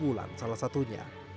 mulan salah satunya